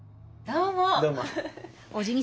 どうも。